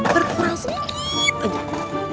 berkeras menit aja